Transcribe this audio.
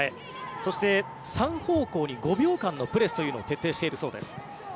そして、３方向に５秒間のプレスというのを徹底しているそうです。